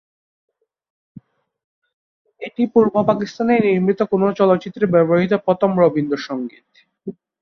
এটি পূর্ব পাকিস্তানে নির্মিত কোন চলচ্চিত্রে ব্যবহৃত প্রথম রবীন্দ্র সঙ্গীত।